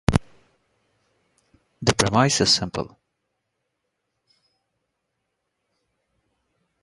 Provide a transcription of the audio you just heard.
The premise is simple.